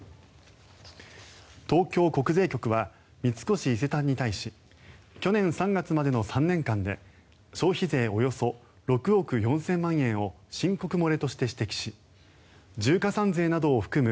東京国税局は三越伊勢丹に対し去年３月までの３年間で消費税およそ６億４０００万円を申告漏れとして指摘し重加算税などを含む